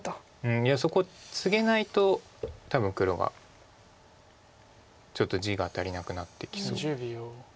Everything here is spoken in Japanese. いやそこツゲないと多分黒がちょっと地が足りなくなってきそう。